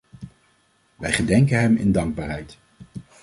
We gedenken hem in dankbaarheid.